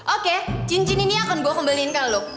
oke cincin ini akan gue kembaliin ke lo